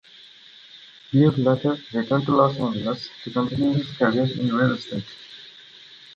He would later return to Los Angeles, to continue his career in real estate.